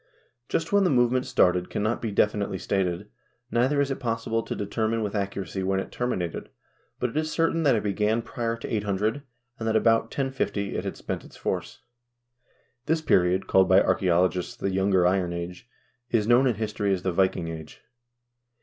Just when the movement started cannot be definitely stated, neither is it possible to determine with accuracy when it termi nated, but it is certain that it began prior to 800, and that about 1050 it had spent its force. This period, called by archaeologists the Younger Iron Age, is known in history as the Viking Age.